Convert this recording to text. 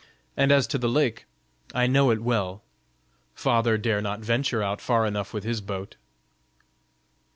And as to the lake, I know it well; father dare not venture out far enough with his boat."